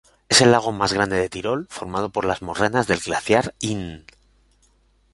Es el lago más grande de Tirol, formado por las morrenas del glaciar Inn.